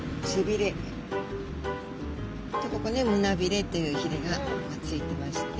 でここに胸びれというひれがついてまして